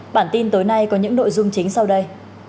bản tin tối nay có những nội dung chính sau đây